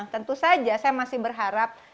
tentu saja saya masih berharap